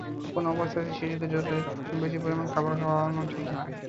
কোনো অবস্থাতেই শিশুকে জোর করে খুব বেশি পরিমাণ খাবার খাওয়ানো ঠিক নয়।